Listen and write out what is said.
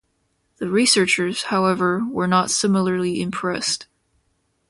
The researchers, however, were not similarly impressed.